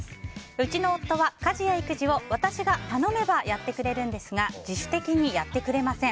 うちの夫は家事や育児を私が頼めばやってくれるんですが自主的にやってくれません。